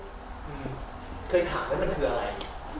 เคยถามว่ามันคืออะไร